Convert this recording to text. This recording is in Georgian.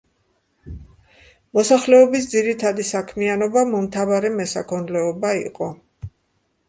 მოსახლეობის ძირითადი საქმიანობა მომთაბარე მესაქონლეობა იყო.